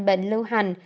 bệnh lưu hành